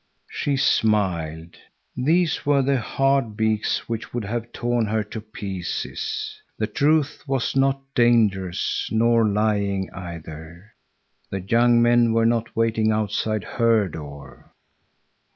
She smiled. These were the hard beaks which would have torn her to pieces. The truth was not dangerous nor lying either. The young men were not waiting outside her door.